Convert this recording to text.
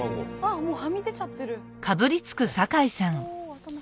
もうはみ出ちゃってる。